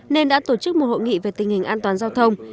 nên đã tổ chức một hội nghị về tình hình an toàn giao thông